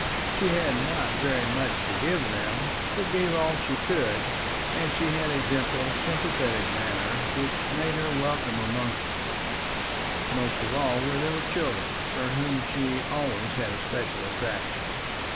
She had not very much to give them, but gave all she could; and she had a gentle sympathetic manner, which made her welcome amongst them, most of all where there were children, for whom she had always a special attraction.